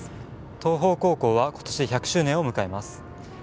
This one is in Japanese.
東邦高校は今年で１００周年を迎えます。